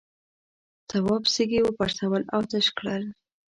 تواب سږي وپرسول او تش کړل.